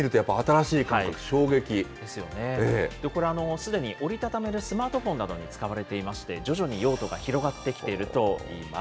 これ、すでに折り畳めるスマートフォンなどに使われていまして、徐々に用途が広がってきているといいます。